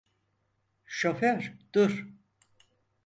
Şoför dur!